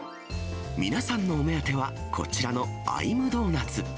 皆さんのお目当ては、こちらのアイムドーナツ。